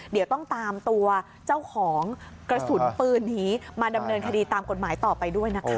เดี๋ยวต้องตามตัวเจ้าของกระสุนปืนนี้มาดำเนินคดีตามกฎหมายต่อไปด้วยนะคะ